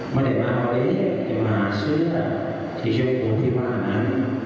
ไม่ได้มาเอาอะไรมาซื้อที่ช่วยพวกที่บ้าน